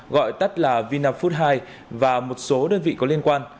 gọi tắt là vinafood hai và một số đơn vị có liên quan